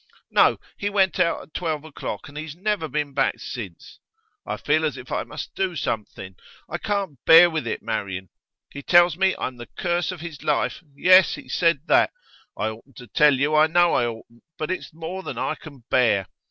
'No, he went out at twelve o'clock, and he's never been back since. I feel as if I must do something; I can't bear with it, Marian. He tells me I'm the curse of his life yes, he said that. I oughtn't to tell you, I know I oughtn't; but it's more than I can bear.